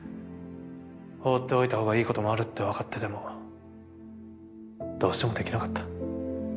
放っておいた方がいいこともあるって分かっててもどうしてもできなかった。